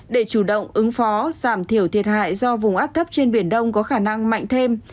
để chủ động ứng phó giảm thiểu thiệt hại do vùng áp thấp trên biển đông có khả năng mạnh thêm